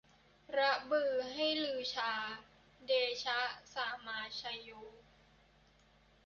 ระบือให้ลือชา เดชะสามาไชโย